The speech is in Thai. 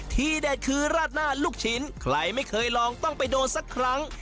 เด็ดคือราดหน้าลูกชิ้นใครไม่เคยลองต้องไปโดนสักครั้ง